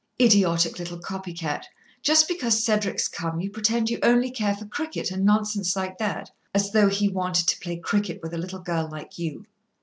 "Idiotic little copy cat! Just because Cedric's come, you pretend you only care for cricket and nonsense like that, as though he wanted to play cricket with a little girl like you."